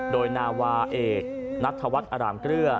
โดยนาวาเอกนัทธวัฒน์อารามเกลือ